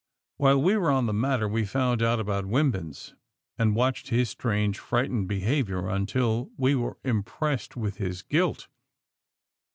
While we were on the matter we found out about Wimpins, and watched his strange, frightened behavior until we were impressed with his guilt.